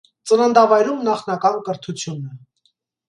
Ծննդավայրում նախնական կրթությունն։